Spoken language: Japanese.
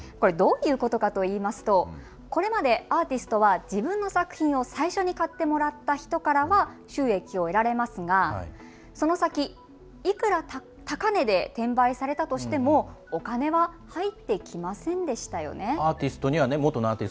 どういうことかといいますとこれまで、アーティストは自分の作品を最初に買ってもらった人からは収益を得られますが、その先いくら高値で転売されたとしてもお金は入ってきませんでしたよね。